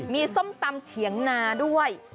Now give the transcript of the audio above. มีส้มตำเฉียงนาด้วย